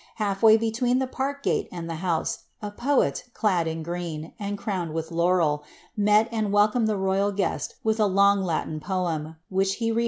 Half way between the ;ate and the house, a poet, clad in green, and crowned with Uurel, ad welcomed the royal guest with a long Latin poem, which he sed on his knees.